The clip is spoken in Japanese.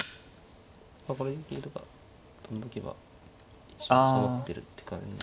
これで桂とか跳んどけば一応おさまってるって感じは。